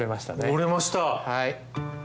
折れました。